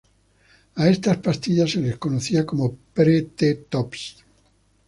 A estas pastillas se las conocía como "Pre-T-tops".